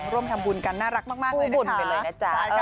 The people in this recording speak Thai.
ร่วมทำบุญกันน่ารักมากเลยนะคะ